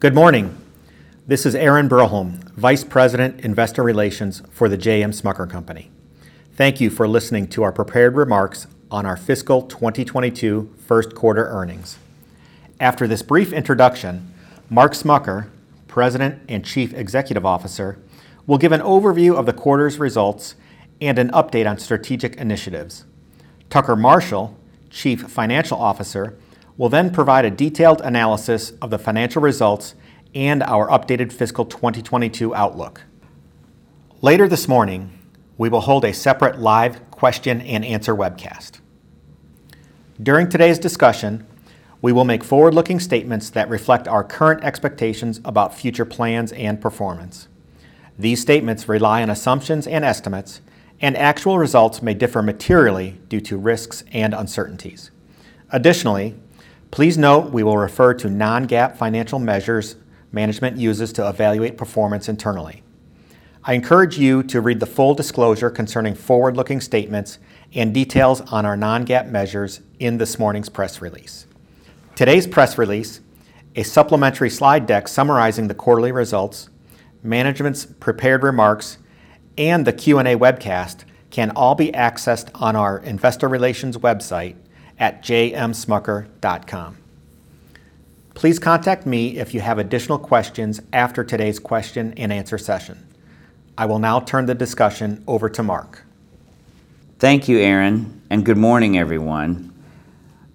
Good morning. This is Aaron Broholm, Vice President, Investor Relations for The J. M. Smucker Company. Thank you for listening to our prepared remarks on our fiscal 2022 first quarter earnings. After this brief introduction, Mark Smucker, President and Chief Executive Officer, will give an overview of the quarter's results and an update on strategic initiatives. Tucker Marshall, Chief Financial Officer, will provide a detailed analysis of the financial results and our updated fiscal 2022 outlook. Later this morning, we will hold a separate live question and answer webcast. During today's discussion, we will make forward-looking statements that reflect our current expectations about future plans and performance. These statements rely on assumptions and estimates, and actual results may differ materially due to risks and uncertainties. Additionally, please note we will refer to non-GAAP financial measures management uses to evaluate performance internally. I encourage you to read the full disclosure concerning forward-looking statements and details on our non-GAAP measures in this morning's press release. Today's press release, a supplementary slide deck summarizing the quarterly results, management's prepared remarks, and the Q&A webcast can all be accessed on our investor relations website at jmsmucker.com. Please contact me if you have additional questions after today's question and answer session. I will now turn the discussion over to Mark. Thank you, Aaron, and good morning, everyone.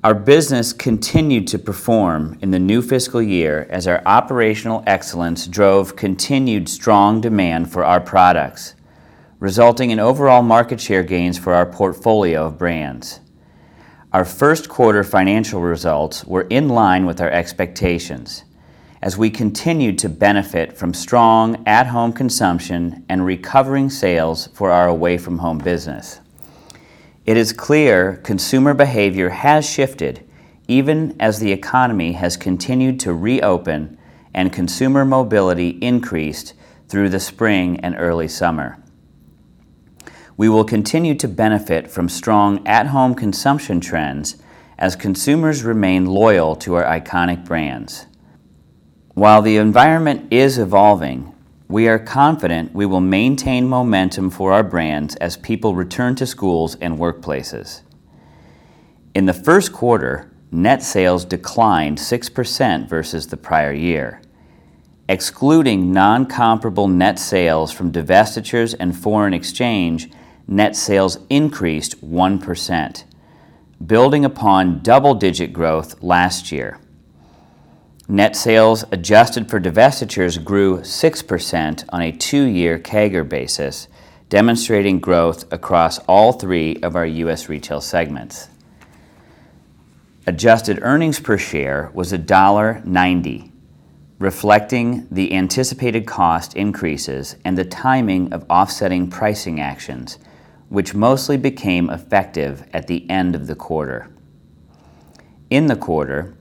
Our business continued to perform in the new fiscal year as our operational excellence drove continued strong demand for our products, resulting in overall market share gains for our portfolio of brands. Our first quarter financial results were in line with our expectations as we continued to benefit from strong at-home consumption and recovering sales for our away from home business. It is clear consumer behavior has shifted even as the economy has continued to reopen and consumer mobility increased through the spring and early summer. We will continue to benefit from strong at-home consumption trends as consumers remain loyal to our iconic brands. While the environment is evolving, we are confident we will maintain momentum for our brands as people return to schools and workplaces. In the first quarter, net sales declined 6% versus the prior year. Excluding non-comparable net sales from divestitures and foreign exchange, net sales increased 1%, building upon double-digit growth last year. Net sales adjusted for divestitures grew 6% on a two-year CAGR basis, demonstrating growth across all three of our U.S. retail segments. Adjusted earnings per share was $1.90, reflecting the anticipated cost increases and the timing of offsetting pricing actions, which mostly became effective at the end of the quarter. In the quarter,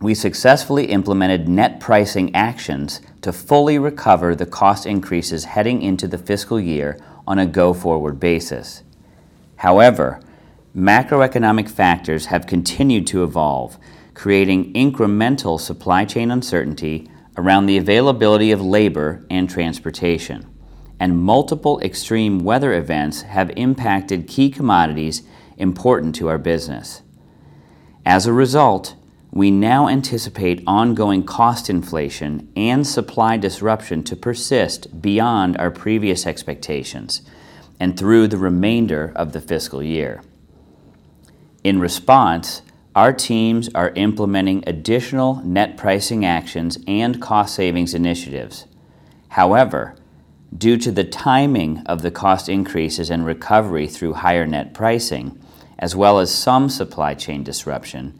we successfully implemented net pricing actions to fully recover the cost increases heading into the fiscal year on a go-forward basis. Macroeconomic factors have continued to evolve, creating incremental supply chain uncertainty around the availability of labor and transportation, and multiple extreme weather events have impacted key commodities important to our business. As a result, we now anticipate ongoing cost inflation and supply disruption to persist beyond our previous expectations and through the remainder of the fiscal year. In response, our teams are implementing additional net pricing actions and cost savings initiatives. However, due to the timing of the cost increases and recovery through higher net pricing, as well as some supply chain disruption,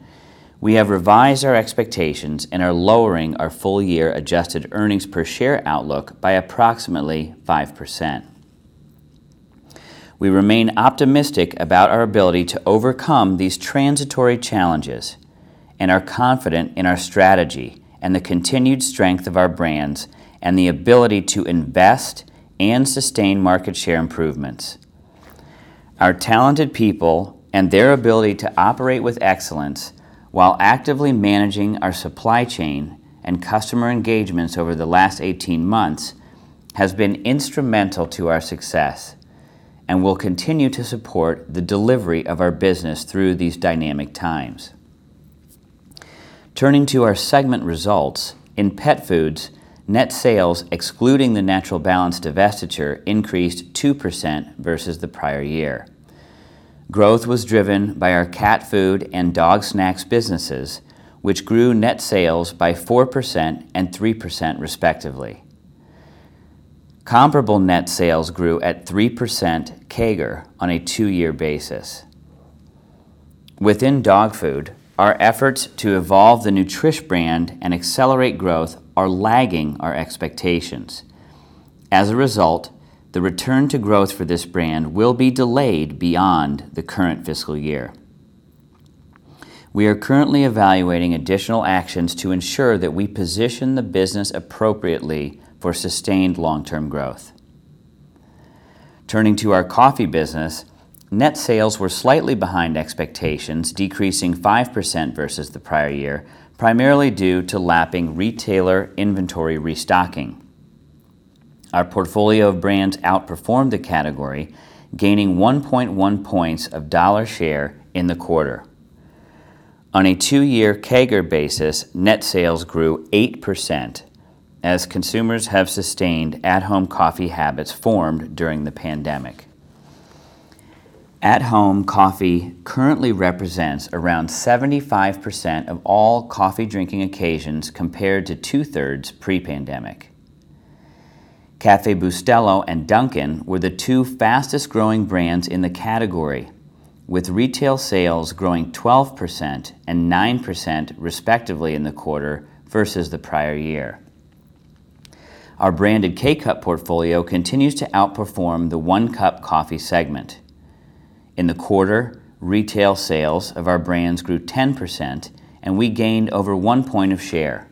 we have revised our expectations and are lowering our full year adjusted earnings per share outlook by approximately 5%. We remain optimistic about our ability to overcome these transitory challenges and are confident in our strategy and the continued strength of our brands and the ability to invest and sustain market share improvements. Our talented people and their ability to operate with excellence while actively managing our supply chain and customer engagements over the last 18 months has been instrumental to our success and will continue to support the delivery of our business through these dynamic times. Turning to our segment results. In pet foods, net sales excluding the Natural Balance divestiture increased 2% versus the prior year. Growth was driven by our cat food and dog snacks businesses, which grew net sales by 4% and 3% respectively. Comparable net sales grew at 3% CAGR on a two-year basis. Within dog food, our efforts to evolve the Nutrish brand and accelerate growth are lagging our expectations. As a result, the return to growth for this brand will be delayed beyond the current fiscal year. We are currently evaluating additional actions to ensure that we position the business appropriately for sustained long-term growth. Turning to our coffee business, net sales were slightly behind expectations, decreasing 5% versus the prior year, primarily due to lapping retailer inventory restocking. Our portfolio of brands outperformed the category, gaining 1.1 points of dollar share in the quarter. On a two-year CAGR basis, net sales grew 8% as consumers have sustained at-home coffee habits formed during the pandemic. At-home coffee currently represents around 75% of all coffee-drinking occasions, compared to 2/3 pre-pandemic. Café Bustelo and Dunkin' were the two fastest-growing brands in the category, with retail sales growing 12% and 9%, respectively, in the quarter versus the prior year. Our branded K-Cup portfolio continues to outperform the one-cup coffee segment. In the quarter, retail sales of our brands grew 10%, and we gained over one point of share.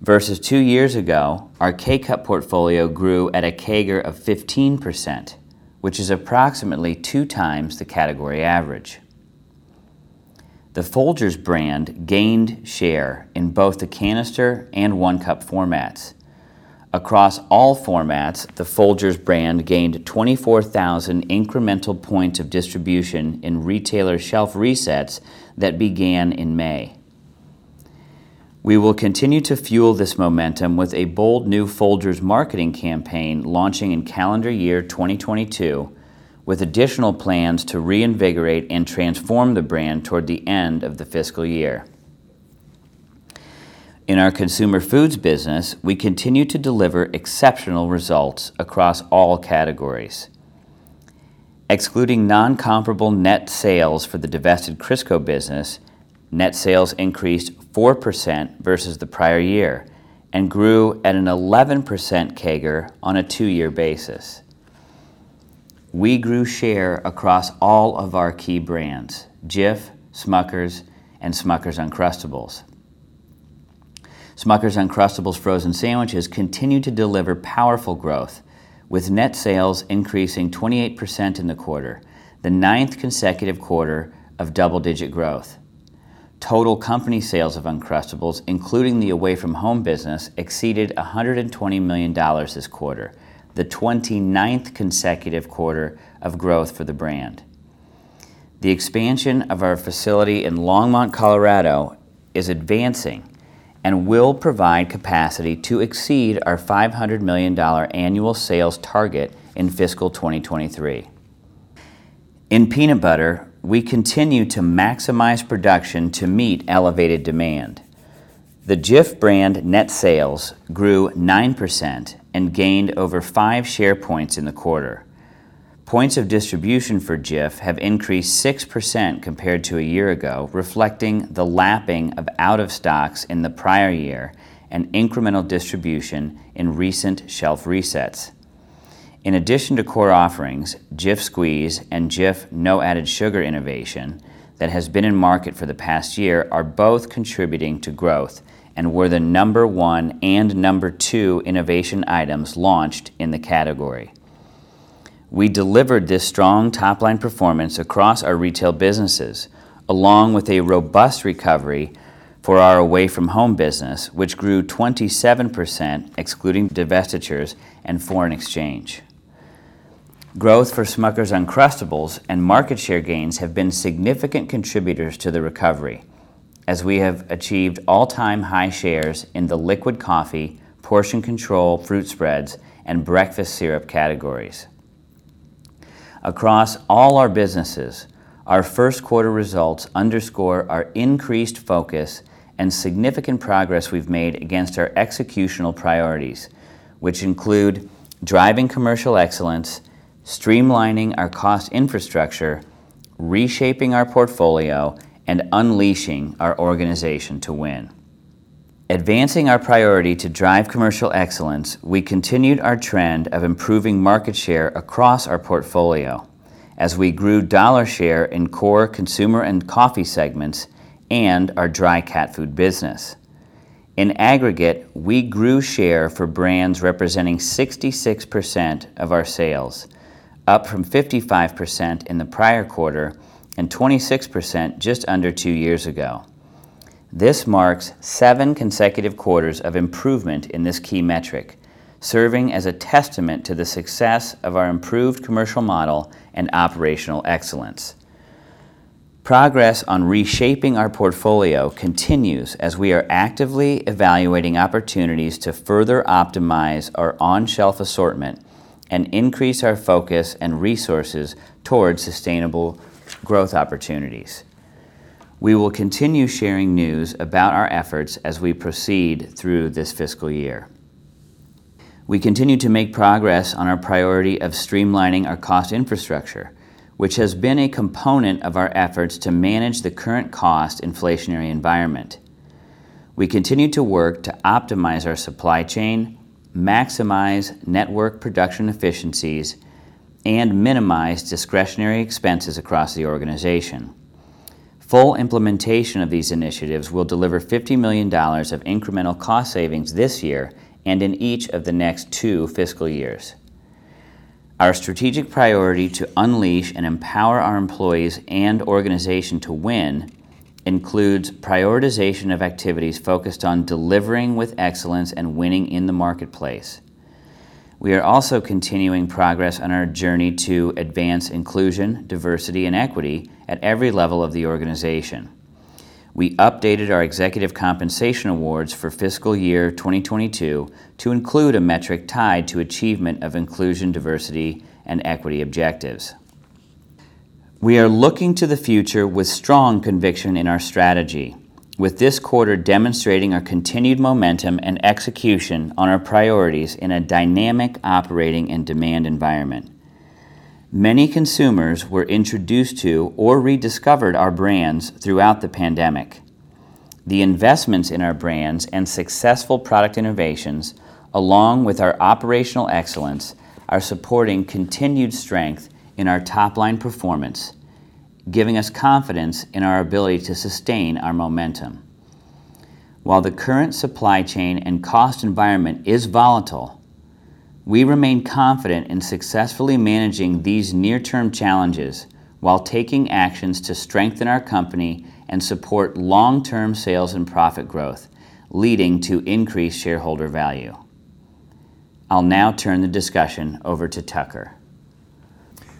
Versus two years ago, our K-Cup portfolio grew at a CAGR of 15%, which is approximately 2x the category average. The Folgers brand gained share in both the canister and one-cup formats. Across all formats, the Folgers brand gained 24,000 incremental points of distribution in retailer shelf resets that began in May. We will continue to fuel this momentum with a bold new Folgers marketing campaign launching in calendar year 2022, with additional plans to reinvigorate and transform the brand toward the end of the fiscal year. In our consumer foods business, we continue to deliver exceptional results across all categories. Excluding non-comparable net sales for the divested Crisco business, net sales increased 4% versus the prior year and grew at an 11% CAGR on a two-year basis. We grew share across all of our key brands, Jif, Smucker's, and Smucker's Uncrustables. Smucker's Uncrustables frozen sandwiches continued to deliver powerful growth, with net sales increasing 28% in the quarter, the ninth consecutive quarter of double-digit growth. Total company sales of Uncrustables, including the away-from-home business, exceeded $120 million this quarter, the 29th consecutive quarter of growth for the brand. The expansion of our facility in Longmont, Colorado, is advancing and will provide capacity to exceed our $500 million annual sales target in fiscal 2023. In peanut butter, we continue to maximize production to meet elevated demand. The Jif brand net sales grew 9% and gained over five share points in the quarter. Points of distribution for Jif have increased 6% compared to a year ago, reflecting the lapping of out-of-stocks in the prior year and incremental distribution in recent shelf resets. In addition to core offerings, Jif Squeeze and Jif No Added Sugar innovation that has been in market for the past year are both contributing to growth and were the number one and number two innovation items launched in the category. We delivered this strong top-line performance across our retail businesses, along with a robust recovery for our away-from-home business, which grew 27%, excluding divestitures and foreign exchange. Growth for Smucker's Uncrustables and market share gains have been significant contributors to the recovery, as we have achieved all-time high shares in the liquid coffee, portion-control fruit spreads, and breakfast syrup categories. Across all our businesses, our first quarter results underscore our increased focus and significant progress we've made against our executional priorities, which include driving commercial excellence, streamlining our cost infrastructure, reshaping our portfolio, and unleashing our organization to win. Advancing our priority to drive commercial excellence, we continued our trend of improving market share across our portfolio as we grew dollar share in core consumer and coffee segments and our dry cat food business. In aggregate, we grew share for brands representing 66% of our sales, up from 55% in the prior quarter and 26% just under two years ago. This marks seven consecutive quarters of improvement in this key metric, serving as a testament to the success of our improved commercial model and operational excellence. Progress on reshaping our portfolio continues as we are actively evaluating opportunities to further optimize our on-shelf assortment and increase our focus and resources towards sustainable growth opportunities. We will continue sharing news about our efforts as we proceed through this fiscal year. We continue to make progress on our priority of streamlining our cost infrastructure, which has been a component of our efforts to manage the current cost inflationary environment. We continue to work to optimize our supply chain, maximize network production efficiencies, and minimize discretionary expenses across the organization. Full implementation of these initiatives will deliver $50 million of incremental cost savings this year and in each of the next two fiscal years. Our strategic priority to unleash and empower our employees and organization to win includes prioritization of activities focused on delivering with excellence and winning in the marketplace. We are also continuing progress on our journey to advance inclusion, diversity, and equity at every level of the organization. We updated our executive compensation awards for fiscal year 2022 to include a metric tied to achievement of inclusion, diversity, and equity objectives. We are looking to the future with strong conviction in our strategy, with this quarter demonstrating our continued momentum and execution on our priorities in a dynamic operating and demand environment. Many consumers were introduced to or rediscovered our brands throughout the pandemic. The investments in our brands and successful product innovations, along with our operational excellence, are supporting continued strength in our top-line performance, giving us confidence in our ability to sustain our momentum. While the current supply chain and cost environment is volatile, we remain confident in successfully managing these near-term challenges while taking actions to strengthen our company and support long-term sales and profit growth, leading to increased shareholder value. I'll now turn the discussion over to Tucker.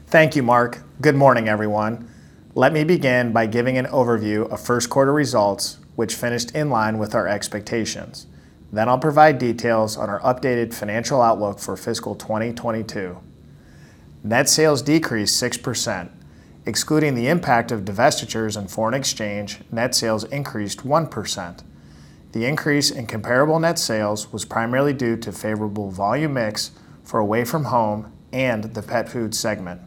Thank you, Mark. Good morning, everyone. Let me begin by giving an overview of first quarter results, which finished in line with our expectations. I'll provide details on our updated financial outlook for fiscal 2022. Net sales decreased 6%. Excluding the impact of divestitures and foreign exchange, net sales increased 1%. The increase in comparable net sales was primarily due to favorable volume mix for away from home and the pet food segment,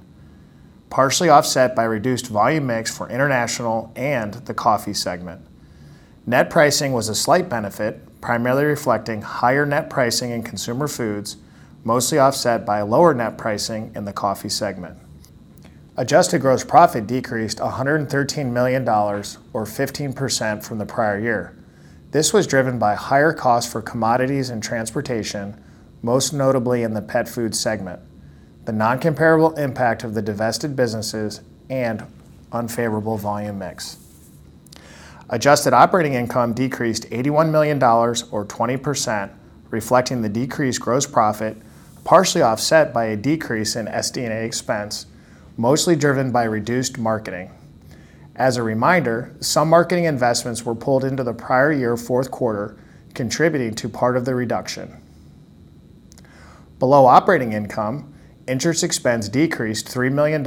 partially offset by reduced volume mix for international and the coffee segment. Net pricing was a slight benefit, primarily reflecting higher net pricing in consumer foods, mostly offset by lower net pricing in the coffee segment. Adjusted gross profit decreased $113 million, or 15% from the prior year. This was driven by higher costs for commodities and transportation, most notably in the pet food segment, the non-comparable impact of the divested businesses, and unfavorable volume mix. Adjusted operating income decreased $81 million, or 20%, reflecting the decreased gross profit, partially offset by a decrease in SG&A expense, mostly driven by reduced marketing. As a reminder, some marketing investments were pulled into the prior year fourth quarter, contributing to part of the reduction. Below operating income, interest expense decreased $3 million,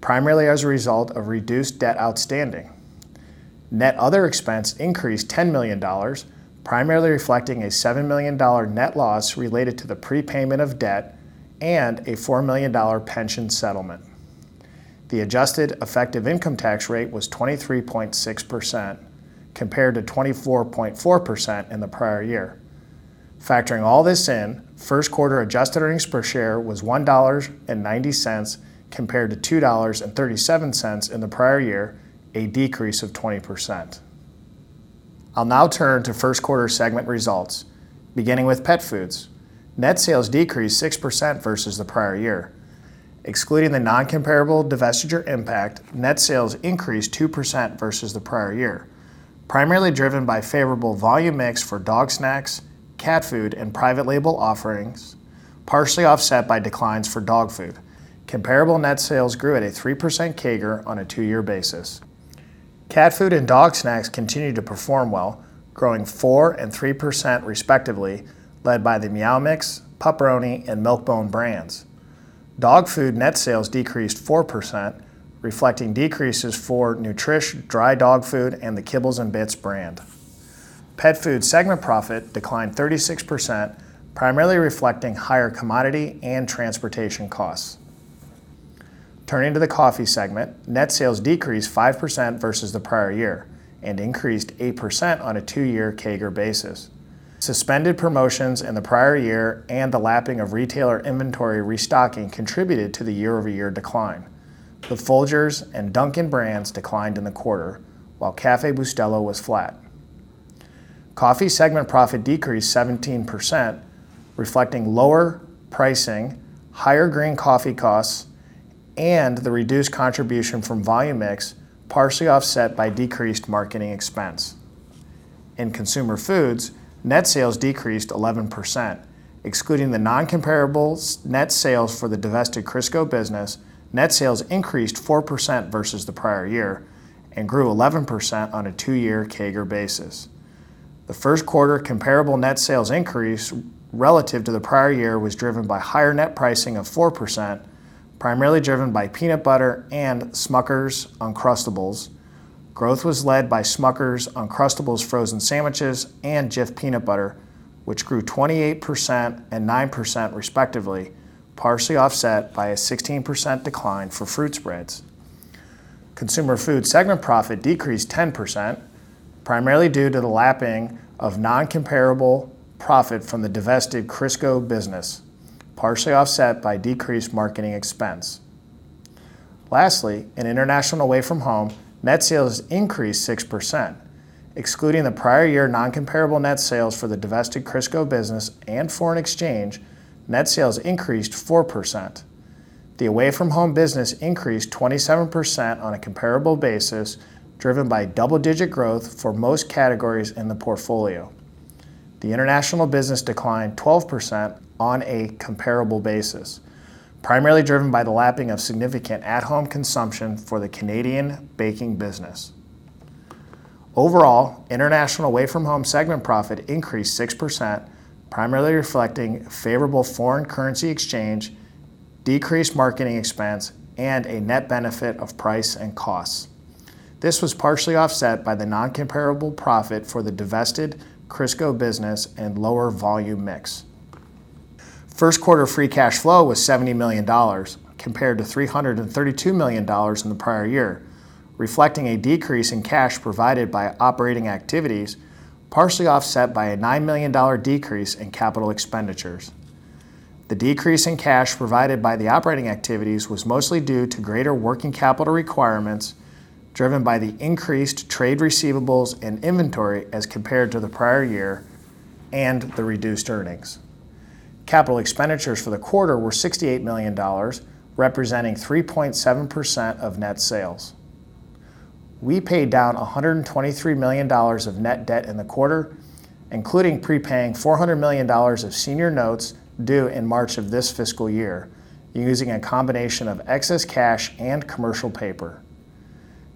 primarily as a result of reduced debt outstanding. Net other expense increased $10 million, primarily reflecting a $7 million net loss related to the prepayment of debt and a $4 million pension settlement. The adjusted effective income tax rate was 23.6% compared to 24.4% in the prior year. Factoring all this in, first quarter adjusted earnings per share was $1.90 compared to $2.37 in the prior year, a decrease of 20%. I'll now turn to first quarter segment results, beginning with pet foods. Net sales decreased 6% versus the prior year. Excluding the non-comparable divestiture impact, net sales increased 2% versus the prior year, primarily driven by favorable volume mix for dog snacks, cat food, and private label offerings, partially offset by declines for dog food. Comparable net sales grew at a 3% CAGR on a two-year basis. Cat food and dog snacks continued to perform well, growing 4% and 3% respectively, led by the Meow Mix, Pup-Peroni, and Milk-Bone brands. Dog food net sales decreased 4%, reflecting decreases for Nutrish dry dog food and the Kibbles 'n Bits brand. Pet food segment profit declined 36%, primarily reflecting higher commodity and transportation costs. Turning to the coffee segment, net sales decreased 5% versus the prior year and increased 8% on a two-year CAGR basis. Suspended promotions in the prior year and the lapping of retailer inventory restocking contributed to the year-over-year decline. The Folgers and Dunkin' brands declined in the quarter, while Café Bustelo was flat. Coffee segment profit decreased 17%, reflecting lower pricing, higher green coffee costs, and the reduced contribution from volume mix, partially offset by decreased marketing expense. In consumer foods, net sales decreased 11%. Excluding the non-comparables net sales for the divested Crisco business, net sales increased 4% versus the prior year and grew 11% on a two-year CAGR basis. The first quarter comparable net sales increase relative to the prior year was driven by higher net pricing of 4%, primarily driven by peanut butter and Smucker's Uncrustables. Growth was led by Smucker's Uncrustables frozen sandwiches and Jif peanut butter, which grew 28% and 9% respectively, partially offset by a 16% decline for fruit spreads. Consumer food segment profit decreased 10%, primarily due to the lapping of non-comparable profit from the divested Crisco business. Partially offset by decreased marketing expense. In international away from home, net sales increased 6%, excluding the prior year non-comparable net sales for the divested Crisco business and foreign exchange, net sales increased 4%. The away from home business increased 27% on a comparable basis, driven by double-digit growth for most categories in the portfolio. The international business declined 12% on a comparable basis, primarily driven by the lapping of significant at-home consumption for the Canadian baking business. Overall, international away from home segment profit increased 6%, primarily reflecting favorable foreign currency exchange, decreased marketing expense, and a net benefit of price and costs. This was partially offset by the non-comparable profit for the divested Crisco business and lower volume mix. First quarter free cash flow was $70 million, compared to $332 million in the prior year, reflecting a decrease in cash provided by operating activities, partially offset by a $9 million decrease in capital expenditures. The decrease in cash provided by the operating activities was mostly due to greater working capital requirements, driven by the increased trade receivables and inventory as compared to the prior year, and the reduced earnings. Capital expenditures for the quarter were $68 million, representing 3.7% of net sales. We paid down $123 million of net debt in the quarter, including prepaying $400 million of senior notes due in March of this fiscal year, using a combination of excess cash and commercial paper.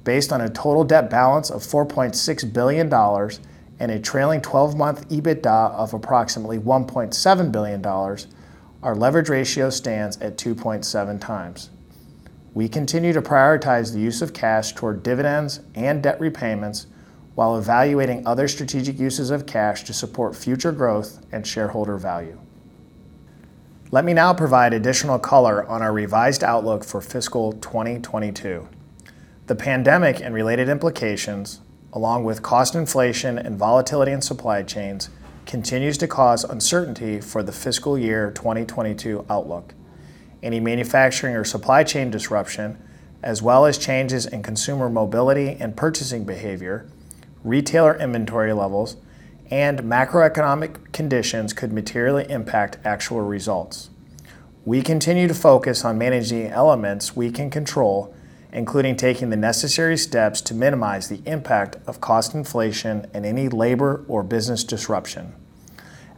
Based on a total debt balance of $4.6 billion and a trailing 12-month EBITDA of approximately $1.7 billion, our leverage ratio stands at 2.7x. We continue to prioritize the use of cash toward dividends and debt repayments, while evaluating other strategic uses of cash to support future growth and shareholder value. Let me now provide additional color on our revised outlook for fiscal 2022. The pandemic and related implications, along with cost inflation and volatility in supply chains, continues to cause uncertainty for the fiscal year 2022 outlook. Any manufacturing or supply chain disruption, as well as changes in consumer mobility and purchasing behavior, retailer inventory levels, and macroeconomic conditions could materially impact actual results. We continue to focus on managing elements we can control, including taking the necessary steps to minimize the impact of cost inflation and any labor or business disruption.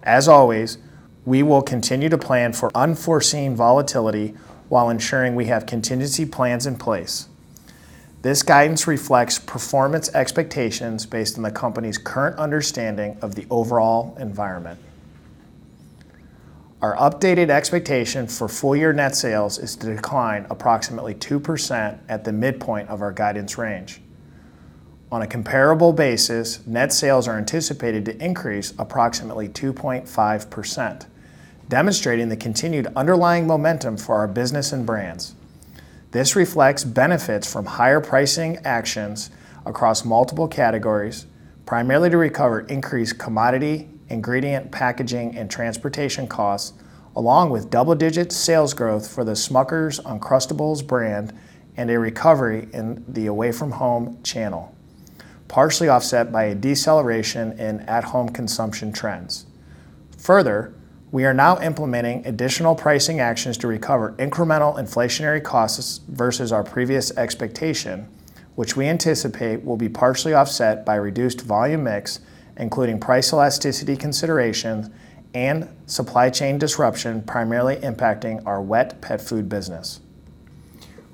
As always, we will continue to plan for unforeseen volatility while ensuring we have contingency plans in place. This guidance reflects performance expectations based on the company's current understanding of the overall environment. Our updated expectation for full-year net sales is to decline approximately 2% at the midpoint of our guidance range. On a comparable basis, net sales are anticipated to increase approximately 2.5%, demonstrating the continued underlying momentum for our business and brands. This reflects benefits from higher pricing actions across multiple categories, primarily to recover increased commodity, ingredient, packaging, and transportation costs, along with double-digit sales growth for the Smucker's Uncrustables brand and a recovery in the away from home channel, partially offset by a deceleration in at-home consumption trends. We are now implementing additional pricing actions to recover incremental inflationary costs versus our previous expectation, which we anticipate will be partially offset by reduced volume mix, including price elasticity considerations and supply chain disruption primarily impacting our wet pet food business.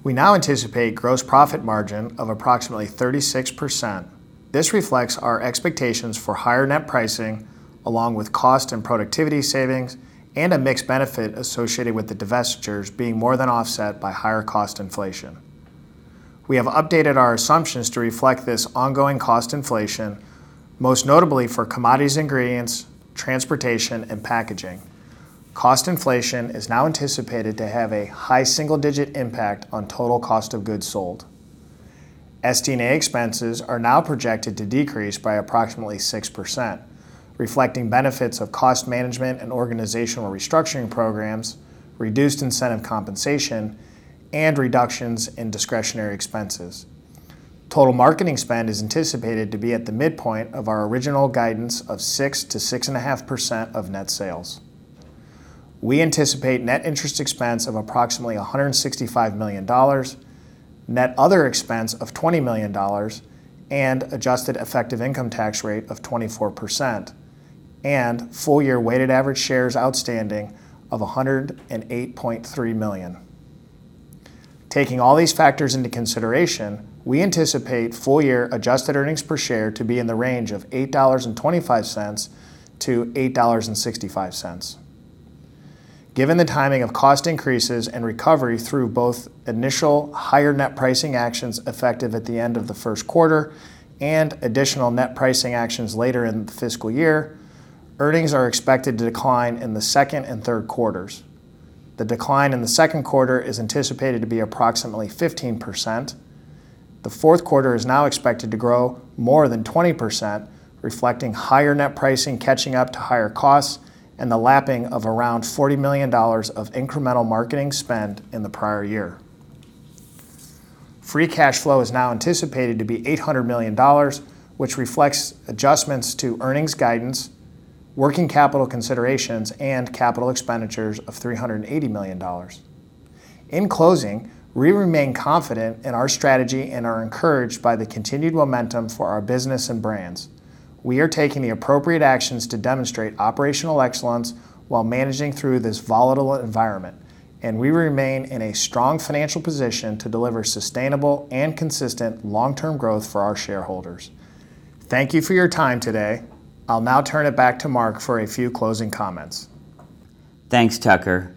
We now anticipate gross profit margin of approximately 36%. This reflects our expectations for higher net pricing, along with cost and productivity savings, and a mixed benefit associated with the divestitures being more than offset by higher cost inflation. We have updated our assumptions to reflect this ongoing cost inflation, most notably for commodities, ingredients, transportation, and packaging. Cost inflation is now anticipated to have a high single-digit impact on total cost of goods sold. SG&A expenses are now projected to decrease by approximately 6%, reflecting benefits of cost management and organizational restructuring programs, reduced incentive compensation, and reductions in discretionary expenses. Total marketing spend is anticipated to be at the midpoint of our original guidance of 6%-6.5% of net sales. We anticipate net interest expense of approximately $165 million, net other expense of $20 million, an adjusted effective income tax rate of 24%, and full year weighted average shares outstanding of $108.3 million. Taking all these factors into consideration, we anticipate full-year adjusted earnings per share to be in the range of $8.25-$8.65. Given the timing of cost increases and recovery through both initial higher net pricing actions effective at the end of the first quarter and additional net pricing actions later in the fiscal year, earnings are expected to decline in the second and third quarters. The decline in the second quarter is anticipated to be approximately 15%. The fourth quarter is now expected to grow more than 20%, reflecting higher net pricing catching up to higher costs and the lapping of around $40 million of incremental marketing spend in the prior year. Free cash flow is now anticipated to be $800 million, which reflects adjustments to earnings guidance, working capital considerations, and capital expenditures of $380 million. In closing, we remain confident in our strategy and are encouraged by the continued momentum for our business and brands. We are taking the appropriate actions to demonstrate operational excellence while managing through this volatile environment, and we remain in a strong financial position to deliver sustainable and consistent long-term growth for our shareholders. Thank you for your time today. I'll now turn it back to Mark for a few closing comments. Thanks, Tucker.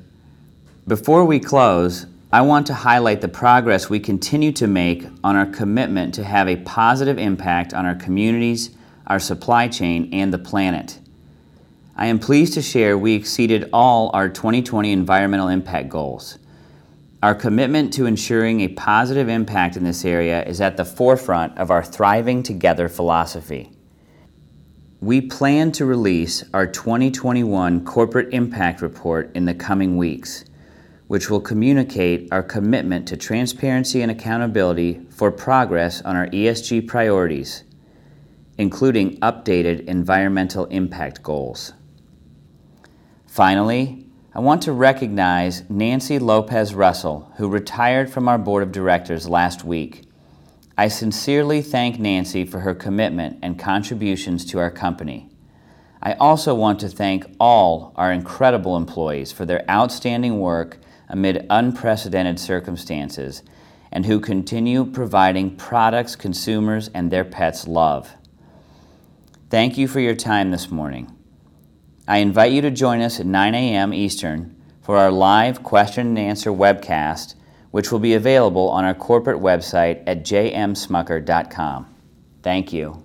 Before we close, I want to highlight the progress we continue to make on our commitment to have a positive impact on our communities, our supply chain, and the planet. I am pleased to share we exceeded all our 2020 environmental impact goals. Our commitment to ensuring a positive impact in this area is at the forefront of our Thriving Together philosophy. We plan to release our 2021 corporate impact report in the coming weeks, which will communicate our commitment to transparency and accountability for progress on our ESG priorities, including updated environmental impact goals. Finally, I want to recognize Nancy Lopez Russell, who retired from our board of directors last week. I sincerely thank Nancy for her commitment and contributions to our company. I also want to thank all our incredible employees for their outstanding work amid unprecedented circumstances and who continue providing products consumers and their pets love. Thank you for your time this morning. I invite you to join us at 9:00 A.M. Eastern for our live question and answer webcast, which will be available on our corporate website at jmsmucker.com. Thank you.